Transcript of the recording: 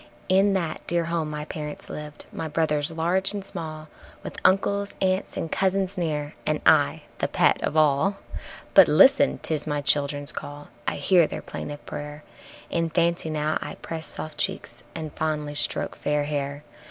In that dear home my parents lived, my brothers large and small, With uncles, aunts and cousins near, and I the pet of all. But listen! 'tis my childrens' call, I hear their plaintive prayer, In fancy now I press soft cheeks and fondly stroke fair hair.